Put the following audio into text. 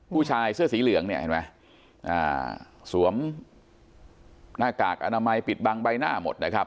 ผู้ชายเสื้อสีเหลืองเนี่ยเห็นไหมสวมหน้ากากอนามัยปิดบังใบหน้าหมดนะครับ